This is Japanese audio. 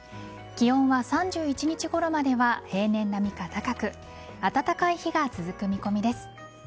気温は３１日ごろまでは平年並みか高く暖かい日が続く見込みです。